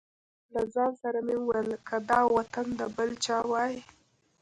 له ځان سره مې وویل که دا وطن د بل چا وای.